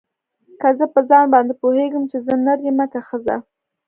که زه په ځان باندې پوهېږم چې زه نر يمه که ښځه.